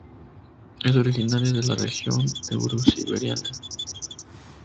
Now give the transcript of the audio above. Es originaria de la región eurosiberiana.